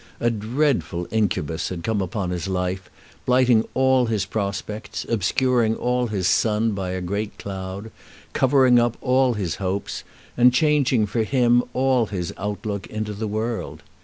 A dreadful incubus had come upon his life, blighting all his prospects, obscuring all his sun by a great cloud, covering up all his hopes, and changing for him all his outlook into the world.